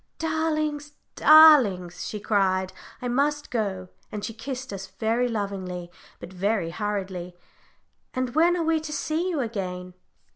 "Darlings, darlings!" she cried, "I must go," and she kissed us very lovingly, but very hurriedly. "And when are we to see you again?"